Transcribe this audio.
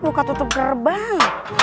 buka tutup kerbang